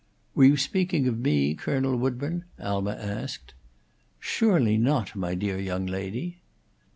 "Were you speaking of me, Colonel Woodburn?" Alma asked. "Surely not, my dear young lady."